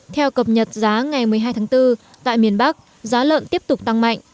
theo cập nhật giá ngày một mươi hai tháng bốn tại miền bắc giá lợn tiếp tục tăng mạnh